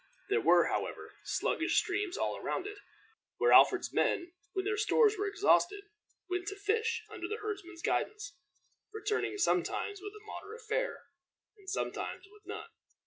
There were, however, sluggish streams all around it, where Alfred's men, when their stores were exhausted, went to fish, under the herdsman's guidance, returning sometimes with a moderate fare, and sometimes with none.